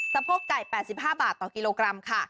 โพกไก่๘๕บาทต่อกิโลกรัมค่ะ